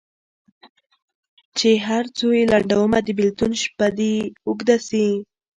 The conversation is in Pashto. چي هر څو یې لنډومه د بېلتون شپه دي اوږده سي